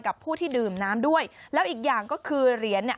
ผู้ที่ดื่มน้ำด้วยแล้วอีกอย่างก็คือเหรียญเนี่ย